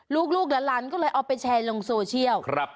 ลูกหลานก็เลยเอาไปแชร์ลงโซเชียล